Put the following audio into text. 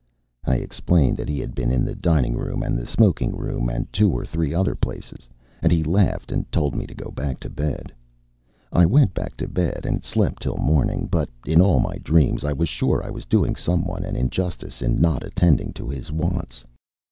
I explained that he had been in the dining room and the smoking room and two or three other places; and he laughed and told me to go back to bed. I went back to bed and slept till the morning, but in all my dreams I was sure I was doing some one an injustice in not attending to his wants.